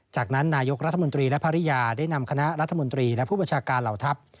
จากนั้นนายกรัฐมนตรีและภรรยาได้นำคณะรัฐมนตรีและผู้บัญชาการเหล่าทัพ